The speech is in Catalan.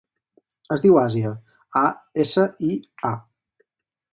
Es diu Asia: a, essa, i, a.